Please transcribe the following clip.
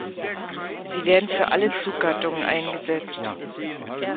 Sie werden für alle Zuggattungen eingesetzt.